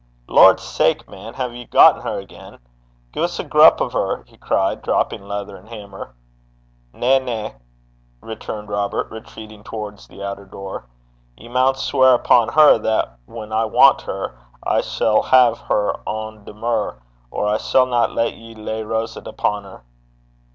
'Lordsake, man! hae ye gotten her again? Gie's a grup o' her!' he cried, dropping leather and hammer. 'Na, na,' returned Robert, retreating towards the outer door. 'Ye maun sweir upo' her that, whan I want her, I sall hae her ohn demur, or I sanna lat ye lay roset upo' her.'